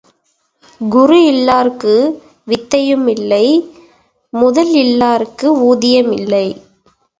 குரு இலார்க்கு வித்தையுமில்லை, முதல் இல்லார்க்கு ஊதியமில்லை.